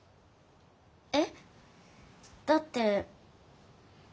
えっ？だって。